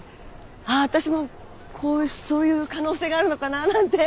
ああー私もそういう可能性があるのかななんて。